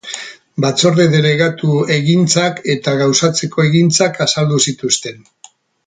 Batzorde delegatu egintzak eta gauzatzeko egintzak azaldu zituzten.